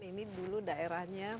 ini dulu daerahnya